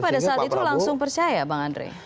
pada saat itu langsung percaya bang andre